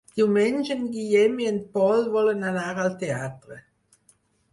Diumenge en Guillem i en Pol volen anar al teatre.